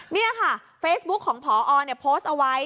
เนี่ยค่ะเฟสบุ๊คของพอเนี่ยโพสต์เอาไว้